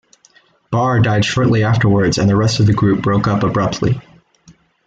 Barr died shortly afterwards and the rest of the group broke up abruptly.